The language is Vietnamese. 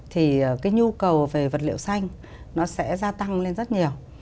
thì cái nhu cầu về vật liệu xanh nó sẽ gia tăng lên rất nhiều